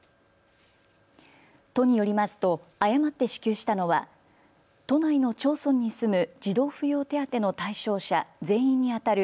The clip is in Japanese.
都によりますと誤って支給したのは都内の町村に住む児童扶養手当の対象者全員にあたる